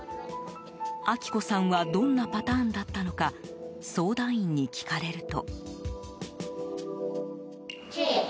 明子さんはどんなパターンだったのか相談員に聞かれると。